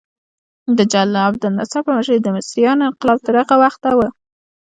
د جل عبدالناصر په مشرۍ د مصریانو انقلاب تر هغه وخته و.